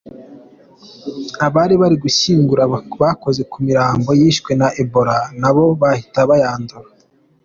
Abari bari gushyingura bakoze ku mirambo yishwe na Ebola nabo bahita bayandura.